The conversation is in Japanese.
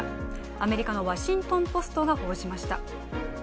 アメリカの「ワシントン・ポスト」が報じました。